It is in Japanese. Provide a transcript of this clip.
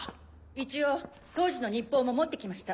一応当時の日報も持ってきました。